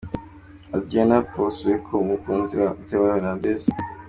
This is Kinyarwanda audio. Adriana Pozueco umukunzi wa Theo Hernandez.